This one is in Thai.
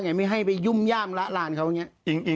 ก็ไงให้ไปยุ่มย่ามละลานเค้าอย่างเนี่ย